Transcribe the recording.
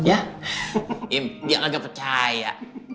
ya dia agak percaya